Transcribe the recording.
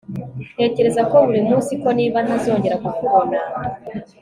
ntekereza ko burimunsi ko niba ntazongera kukubona